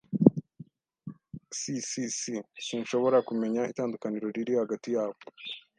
S S [S] Sinshobora kumenya itandukaniro riri hagati yabo.